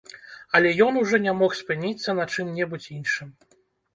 Але ён ужо не мог спыніцца на чым-небудзь іншым.